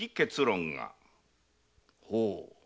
ほう。